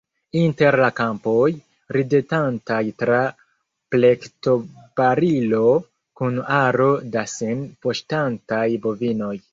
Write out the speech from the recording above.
Inter la kampoj, ridetantaj tra plektobarilo, kun aro da sin paŝtantaj bovinoj.